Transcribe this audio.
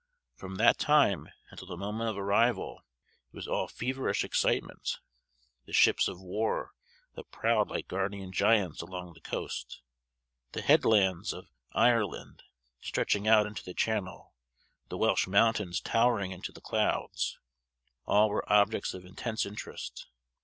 From that time, until the moment of arrival, it was all feverish excitement. The ships of war, that prowled like guardian giants along the coast; the headlands of Ireland, stretching out into the channel; the Welsh mountains towering into the clouds; all were objects of intense interest.